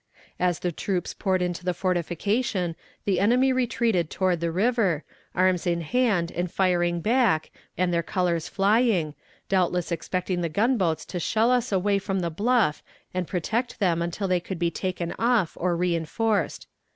As the troops poured into the fortification the enemy retreated toward the river, arms in hand and firing back, and their colors flying, doubtless expecting the gunboats to shell us away from the bluff and protect them until they could be taken off or reënforced.